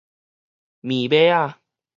暝尾仔